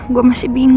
gue masih bingung